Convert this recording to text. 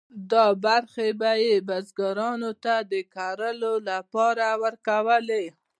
دا برخې به یې بزګرانو ته د کرلو لپاره ورکولې.